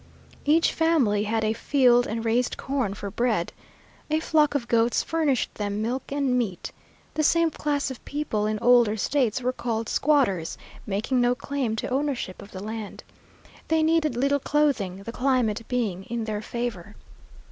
Each family had a field and raised corn for bread. A flock of goats furnished them milk and meat. The same class of people in older States were called squatters, making no claim to ownership of the land. They needed little clothing, the climate being in their favor.